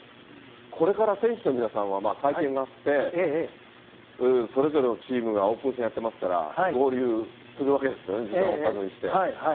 これから選手の皆さんは会見があって、それぞれのチームがオープン戦やってますから、合流するわけですよね、時間を置かずにして。